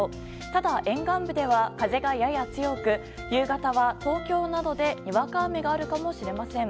ただ、沿岸部では風がやや強く夕方は東京などでにわか雨があるかもしれません。